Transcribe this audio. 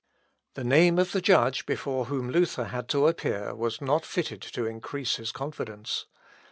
The name of the judge before whom Luther had to appear was not fitted to increase his confidence.